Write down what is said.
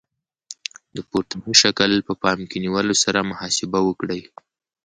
د پورتني شکل په پام کې نیولو سره محاسبه وکړئ.